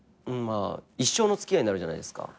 あ一生の付き合いになるじゃないですか。